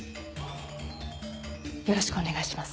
よろしくお願いします。